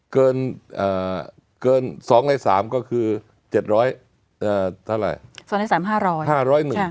เกิน๒ใน๓ก็คือ๗๐๐เท่าไหร่